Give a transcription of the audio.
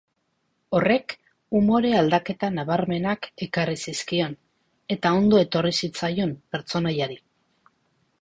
Horrek umore aldaketa nabarmenak ekarri zizkion, eta ondo etorri zitzaion pertsonaiari.